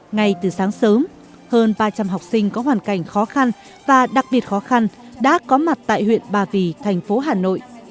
ngay từ sáng sớm hơn ba trăm linh học sinh có hoàn cảnh khó khăn và đặc biệt khó khăn đã có mặt tại huyện ba vì thành phố hà nội